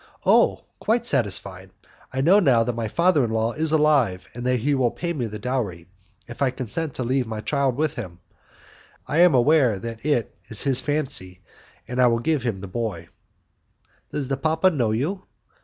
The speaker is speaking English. "Oh! quite satisfied. I know now that my father in law is alive, and that he will pay me the dowry, if I consent to leave my child with him. I am aware that it is his fancy and I will give him the boy." "Does the papa know you?"